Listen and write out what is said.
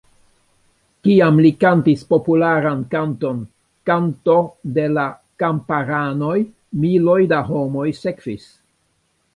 Kiam li kantis popularan kanton 'Kanto de la Kamparanoj', miloj da homoj sekvis.